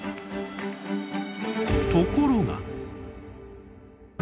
ところが！